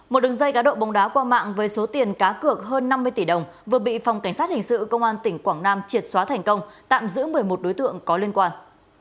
một đường dây cá độ bóng đá qua mạng với số tiền cá cược hơn năm mươi tỷ đồng vừa bị phòng cảnh sát hình sự công an tỉnh quảng nam triệt xóa thành công tạm giữ một mươi một đối tượng có liên quan